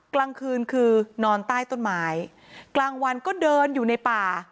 กลางคืนคือนอนใต้ต้นไม้กลางวันก็เดินอยู่ในป่า